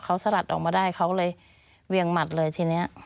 เขาสลัดออกมาได้เขาเลยเวียงหมัดเลยทีนี้